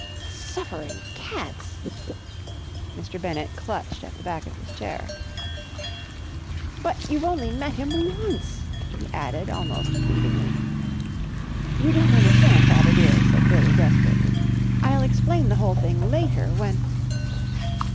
"Suffering cats!" Mr. Bennett clutched at the back of his chair. "But you've only met him once," he added almost pleadingly. "You don't understand, father dear," said Billie desperately. "I'll explain the whole thing later, when...."